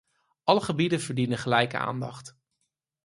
Alle gebieden verdienen gelijke aandacht.